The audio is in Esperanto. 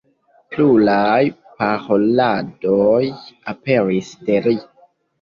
Pluraj paroladoj aperis de li.